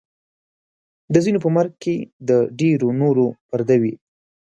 د ځینو په مرګ کې د ډېرو نورو پرده وي.